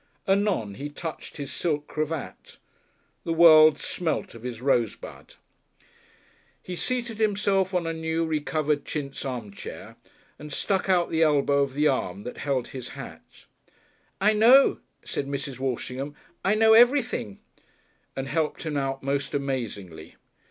Anon he touched his silk cravat. The world smelt of his rosebud. He seated himself on a new re covered chintz armchair and stuck out the elbow of the arm that held his hat. "I know," said Mrs. Walshingham, "I know everything," and helped him out most amazingly.